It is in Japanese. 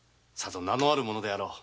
名のある者であろう。